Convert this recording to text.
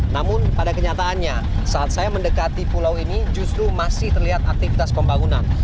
namun pada kenyataannya saat saya mendekati pulau ini justru masih terlihat aktivitas pembangunan